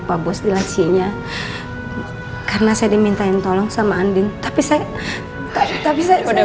pak bos di lasinya karena saya diminta tolong sama andin tapi saya tapi saya udah udah udah